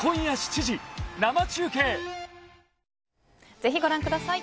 ぜひご覧ください。